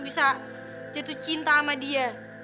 bisa jatuh cinta sama dia